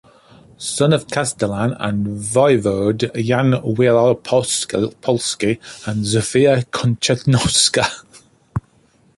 Son of castellan and voivode Jan Wielopolski and Zofia Kochanowska.